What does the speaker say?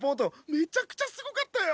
めちゃくちゃすごかったよ！